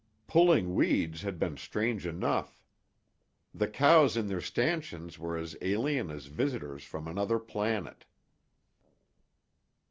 Pulling weeds had been strange enough. The cows in their stanchions were as alien as visitors from another planet.